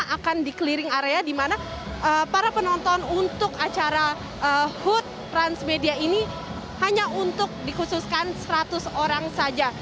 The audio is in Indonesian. akan di clearing area di mana para penonton untuk acara hut transmedia ini hanya untuk dikhususkan seratus orang saja